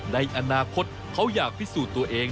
ในอนาคตเขาอยากพิสูจน์ตัวเอง